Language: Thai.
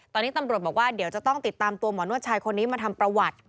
ตอนนี้ตำรวจบอกว่าเดี๋ยวจะต้องติดตามตัวหมอนวดชายคนนี้มาทำประวัติ